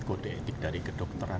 kode etik dari kedokteran